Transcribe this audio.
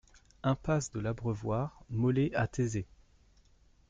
Impasse de l'Abreuvoir Maulais à Taizé